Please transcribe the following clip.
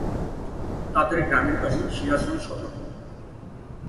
তাঁদের গ্রামের বাড়ি সিরাজগঞ্জ সদরে।